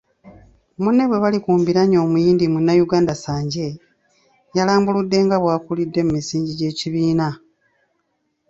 Munne bwebali ku mbiranye Omuyindi munnayuganda Sanjay, yalambuludde nga bwakulidde mu misingi gy’ekibiina.